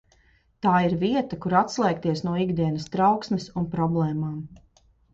Tā ir vieta, kur atslēgties no ikdienas trauksmes un problēmām.